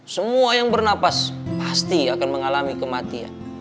semua yang bernapas pasti akan mengalami kematian